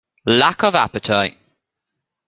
Lack of appetite!